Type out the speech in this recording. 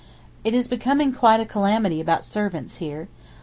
It is becoming quite a calamity about servants here.